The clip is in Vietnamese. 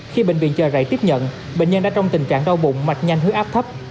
khi bệnh viện chờ rảy tiếp nhận bệnh nhân đã trong tình trạng đau bụng mạch nhanh huyết áp thấp